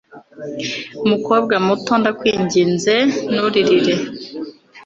mukobwa muto, ndakwinginze nturirire